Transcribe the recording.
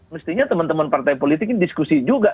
mestinya teman teman partai politik ini diskusi juga